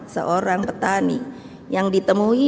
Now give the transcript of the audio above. seorang petani yang ditemui